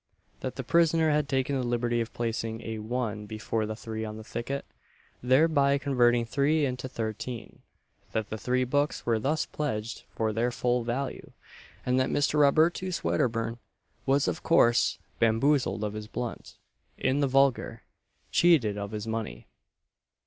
that the prisoner had taken the liberty of placing a 1 before the 3 on the ticket, thereby converting 3 into 13; that the three books were thus pledged for their full value; and that Mr. Robertus Wedderburn was of course bamboozled of his blunt in the vulgar, "cheated of his money."